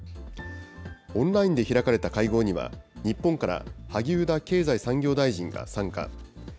オンラインで開かれた会合には、日本から萩生田経済産業大臣が参加。